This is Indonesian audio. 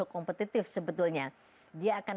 kompetitif sebetulnya dia akan